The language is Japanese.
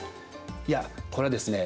いやこれはですね